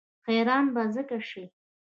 حیران به ځکه شي.